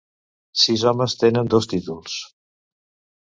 Sis homes tenen dos títols.